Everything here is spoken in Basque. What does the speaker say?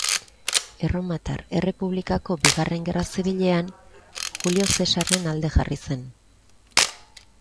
Erromatar Errepublikako Bigarren Gerra Zibilean, Julio Zesarren alde jarri zen.